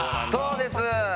そうです。